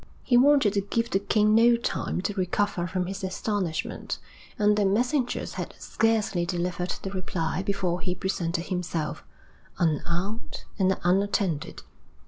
He wanted to give the king no time to recover from his astonishment, and the messengers had scarcely delivered the reply before he presented himself, unarmed and unattended.